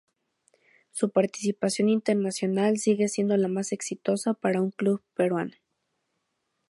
Su participación internacional sigue siendo la más exitosa para un club peruano.